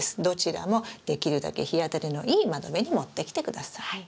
どちらもできるだけ日当たりのいい窓辺に持ってきて下さい。